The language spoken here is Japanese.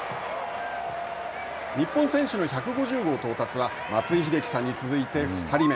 日本選手の１５０号到達は松井秀喜さんに続いて２人目。